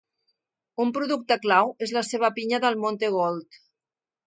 Un producte clau és la seva pinya Del Monte Gold.